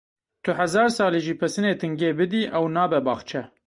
Tu hezar salî jî pesinê tingê bidî, ew nabe baxçe.